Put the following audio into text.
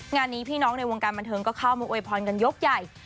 งานนี้พี่น้องในวงการบันเทิงก็เข้ามาโวยพรกันยกใหญ่